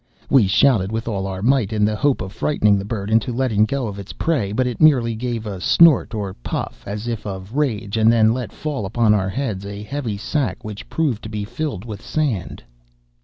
We shouted with all our might, in the hope of frightening the bird into letting go of its prey, but it merely gave a snort or puff, as if of rage and then let fall upon our heads a heavy sack which proved to be filled with sand!